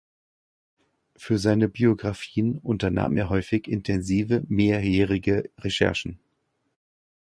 Für seine Biographien unternahm er häufig intensive mehrjährige Recherchen.